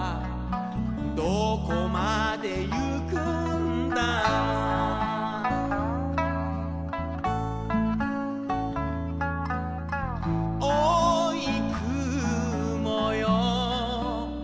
「どこまでゆくんだ」「おうい雲よ」